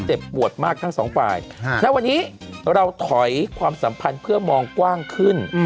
เจ็บปวดมากทั้งสองฝ่ายณวันนี้เราถอยความสัมพันธ์เพื่อมองกว้างขึ้น